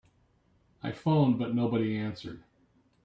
I phoned but nobody answered.